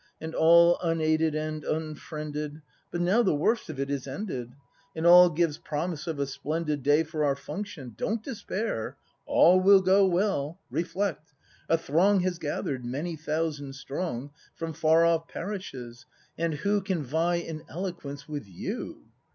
And all unaided and unfriended. But now the worst of it is ended. And all gives promise of a splendid Day for our function. Don't despair! All will go well! Reflect! A throng Has gather'd, many thousand strong, From far off parishes, — and who Can vie in eloquence with you